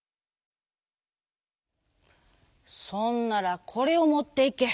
「そんならこれをもっていけ。